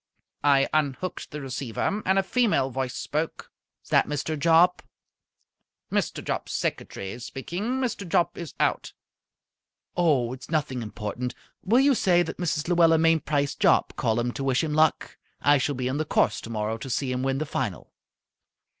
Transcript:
I unhooked the receiver, and a female voice spoke. "Is that Mr. Jopp?" "Mr. Jopp's secretary speaking. Mr. Jopp is out." "Oh, it's nothing important. Will you say that Mrs. Luella Mainprice Jopp called up to wish him luck? I shall be on the course tomorrow to see him win the final."